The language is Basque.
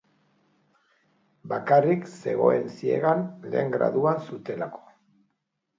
Bakarrik zegoen ziegan, lehen graduan zutelako.